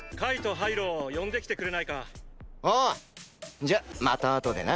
じゃまたあとでな！